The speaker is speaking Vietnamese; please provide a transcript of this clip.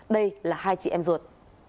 đây là hai chị em ruột